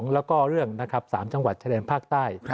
และเรื่องสามจังหวัดชะแดนภาคใต้